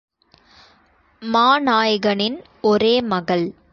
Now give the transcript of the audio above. மாநாய்கனின் ஒரே மகள்.